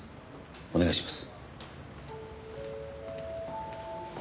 お願いします。